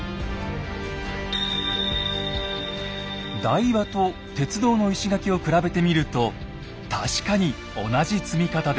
台場と鉄道の石垣を比べてみると確かに同じ積み方です。